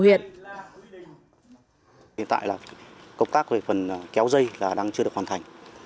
hiện tại công tác về phần kéo dây đang chưa được hoàn thành